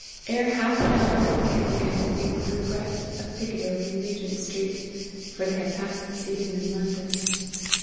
Ere half an hour they had begun to think with regret of Piccadilly and Regent street for they had passed the season in London.